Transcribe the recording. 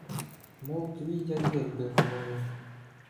Мов твій язик би говорив.